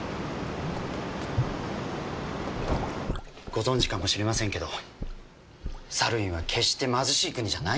ご存知かもしれませんけどサルウィンは決して貧しい国じゃないんです。